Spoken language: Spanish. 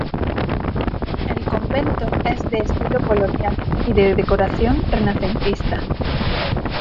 El convento es de estilo colonial y de decoración renacentista.